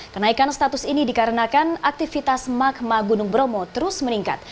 kenaikan status ini dikarenakan aktivitas magma gunung bromo terus meningkat